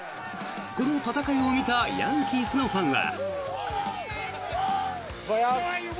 この戦いを見たヤンキースのファンは。